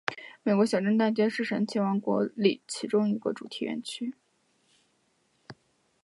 美国小镇大街是神奇王国里其中一个主题园区。